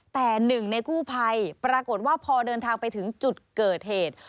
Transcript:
แต่หนึ่งในกู้ภัยปรากฏว่าพอเดินทางไปถึงจุดเกิดเหตุ